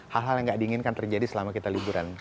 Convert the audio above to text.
hal hal yang gak diinginkan terjadi selama kita liburan